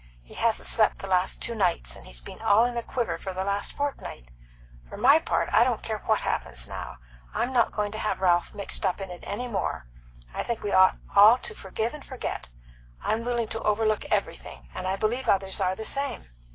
He hasn't slept the last two nights, and he's been all in a quiver for the last fortnight. For my part I don't care what happens now, I'm not going to have Ralph mixed up in it any more. I think we ought all to forgive and forget. I'm willing to overlook everything, and I believe others are the same."